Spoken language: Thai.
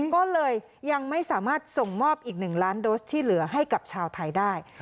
ก็เลยยังไม่สามารถส่งมอบอีก๑ล้านโดสที่เหลือให้กับชาวไทยได้